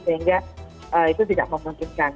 sehingga itu tidak memungkinkan